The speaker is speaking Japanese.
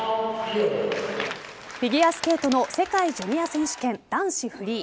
フィギュアスケートの世界ジュニア選手権男子フリー。